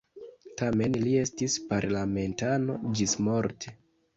Tamen li estis parlamentano ĝismorte.